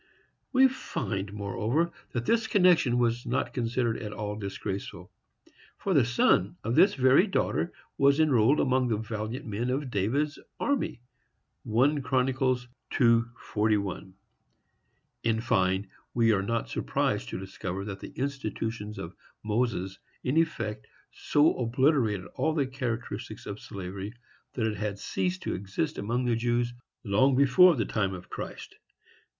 We find, moreover, that this connection was not considered at all disgraceful, for the son of this very daughter was enrolled among the valiant men of David's army.—1 Chron. 2:41. In fine, we are not surprised to discover that the institutions of Moses in effect so obliterated all the characteristics of slavery, that it had ceased to exist among the Jews long before the time of Christ.